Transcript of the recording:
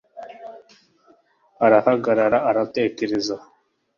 Arahagarara aratekereza